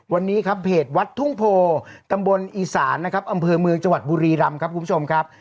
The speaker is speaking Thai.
วันนี้ครับเพจวัดทุ่งโพตำบลอีสานนะครับอำเภอเมืองจังหวัดบุรีรำครับคุณผู้ชมครับ